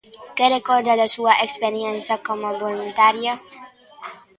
Que recorda da súa experiencia como voluntaria?